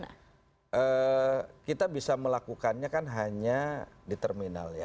nah kita bisa melakukannya kan hanya di terminal ya